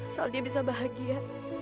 asal dia bisa bahagia